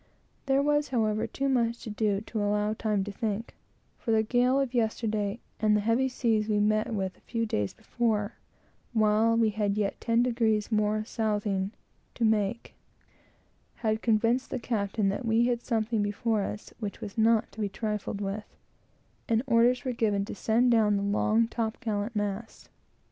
There was, however, too much to do to allow time to think; for the gale of yesterday, and the heavy seas we met with a few days before, while we had yet ten degrees more southing to make, had convinced the captain that we had something before us which was not to be trifled with, and orders were given to send down the long top gallant masts.